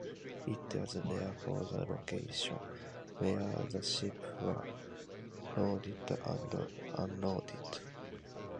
It was therefore the location where the ships were loaded and unloaded.